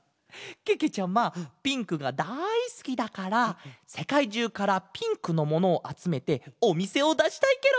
けけちゃまピンクがだいすきだからせかいじゅうからピンクのものをあつめておみせをだしたいケロ！